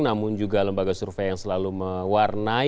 namun juga lembaga survei yang selalu mewarnai kontestasi dengan hasil survei